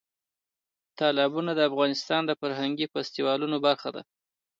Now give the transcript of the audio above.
تالابونه د افغانستان د فرهنګي فستیوالونو برخه ده.